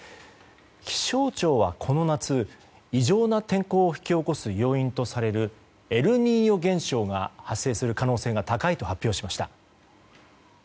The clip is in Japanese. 気象庁は、この夏異常な天候を引き起こす要因とされるエルニーニョ現象が発生する可能性が高いと発表しました。